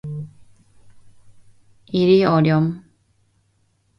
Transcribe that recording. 이리 오렴.